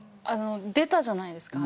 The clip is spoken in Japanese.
出たじゃないですか。